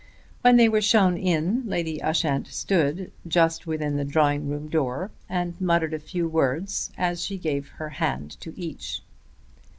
When they were shown in Lady Ushant stood just within the drawing room door and muttered a few words as she gave her hand to each.